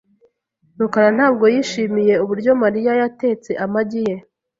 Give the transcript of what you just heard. rukara ntabwo yishimiye uburyo Mariya yatetse amagi ye .